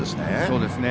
そうですね。